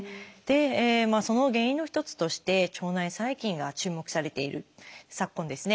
その原因の一つとして腸内細菌が注目されている昨今ですね